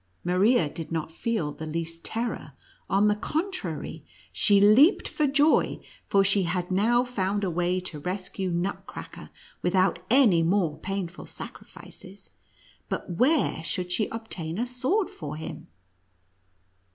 Maria did not feel the least terror ; on the contrary, she leaped for joy, for she had now found a way to rescue Nutcracker without any more painful sacrifices. But where should she obtain a sword for him